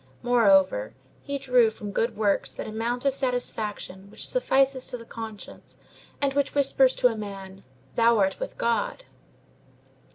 Moreover, he drew from good works that amount of satisfaction which suffices to the conscience, and which whispers to a man, "Thou art with God!"